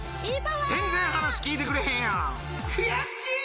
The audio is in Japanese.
全然話聞いてくれへんやん悔しい！